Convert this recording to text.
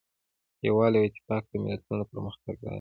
یووالی او اتفاق د ملتونو د پرمختګ راز دی.